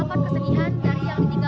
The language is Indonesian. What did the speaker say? puskesal bukan biasa